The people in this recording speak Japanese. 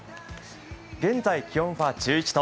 現在気温は１１度。